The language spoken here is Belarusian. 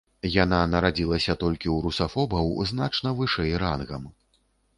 Яна нарадзілася толькі ў русафобаў, значна вышэй рангам.